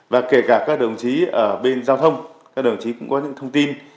và kể cả các đồng chí ở bên giao thông các đồng chí cũng có những thông tin